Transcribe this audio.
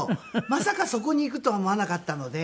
まさかそこにいくとは思わなかったので。